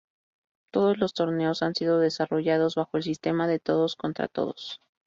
Todos los torneos han sido desarrollados bajo el sistema de todos contra todos.